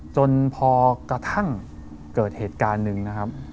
จนพอกระทั่งเกิดเหตุการณ์หนึ่งนะครับ